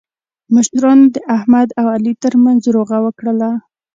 مشرانو د احمد او علي ترمنځ روغه وکړله.